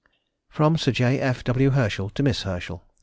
_] FROM SIR J. F. W. HERSCHEL TO MISS HERSCHEL.